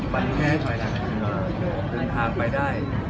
โปรเซาะ